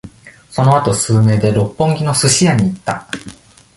そのあと、数名で、六本木のスシ屋に行った。